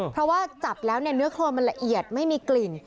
เพราะว่าจับแล้วเนื้อโครนมันละเอียดไม่มีกลิ่น